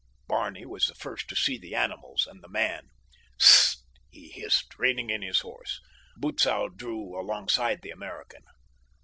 Barney was the first to see the animals and the man. "S s st," he hissed, reining in his horse. Butzow drew alongside the American.